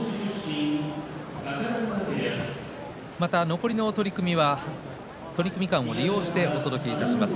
残りの取組は取組間を利用してお届けします。